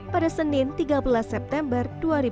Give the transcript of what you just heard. pada senin tiga belas september dua ribu dua puluh